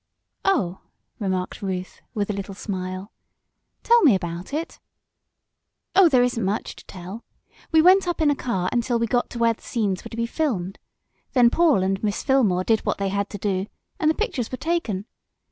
"Oh," remarked Ruth, with a little smile. "Tell me about it." "Oh, there isn't much to tell. We went up in a car until we got to where the scenes were to be filmed. Then Paul and Miss Fillmore did what they had to do, and the pictures were taken.